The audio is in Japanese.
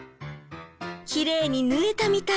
きれいに縫えたみたい！